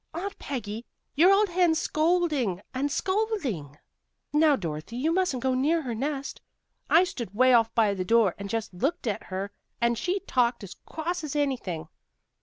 "Aunt Peggy, your old hen's scolding and scolding." "Now, Dorothy, you mustn't go near her nest." "I stood 'way off by the door and jus' looked at her an' she talked as cross as anything."